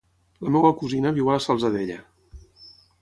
La meva cosina viu a la Salzadella.